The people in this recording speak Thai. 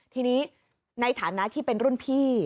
ทีนี้ในฐานะที่เป็นรุ่นพี่